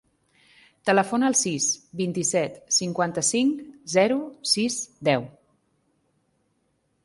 Telefona al sis, vint-i-set, cinquanta-cinc, zero, sis, deu.